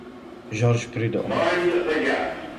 Georges Prud'Homme